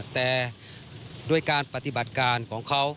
แต่ด้วยการปฏิบัติการของเขา